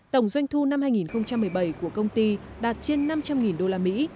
tổng doanh thu năm hai nghìn một mươi bảy của công ty đạt trên năm trăm linh đô la mỹ